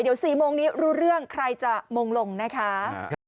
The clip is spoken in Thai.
เดี๋ยว๔โมงนี้รู้เรื่องใครจะมงลงนะคะ